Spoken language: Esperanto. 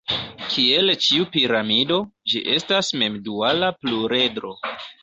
Kiel ĉiu piramido, ĝi estas mem-duala pluredro.